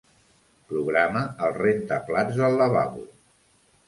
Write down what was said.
Programa el rentaplats del lavabo.